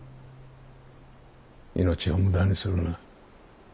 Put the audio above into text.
命を無駄にするな。